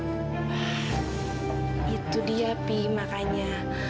nah itu dia pi makanya